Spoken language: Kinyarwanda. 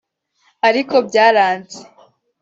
ariko byaranze